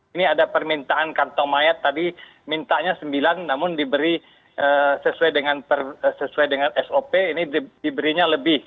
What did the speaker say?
ini ada permintaan kantong mayat tadi mintanya sembilan namun diberi sesuai dengan sop ini diberinya lebih